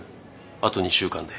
あと２週間で。